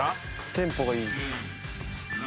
テンポがいい。